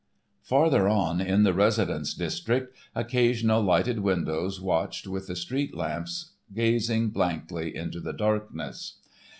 Farther on in the residence district, occasional lighted windows watched with the street lamps gazing blankly into the darkness.